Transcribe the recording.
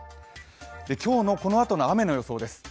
今日のこのあとの雨の予想です。